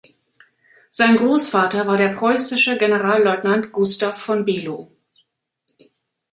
Sein Großvater war der preußische Generalleutnant Gustav von Below.